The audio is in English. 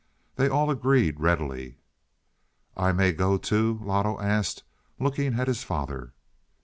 They all agreed readily. "I may go, too?" Loto asked, looking at his father.